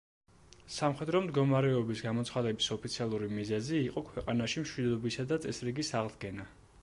სამხედრო მდგომარეობის გამოცხადების ოფიციალური მიზეზი იყო „ქვეყანაში მშვიდობისა და წესრიგის აღდგენა“.